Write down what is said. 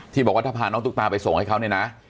บอกว่าถ้าพาน้องตุ๊กตาไปส่งให้เขาเนี่ยนะ